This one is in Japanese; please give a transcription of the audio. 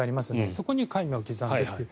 そこに戒名を刻んでという。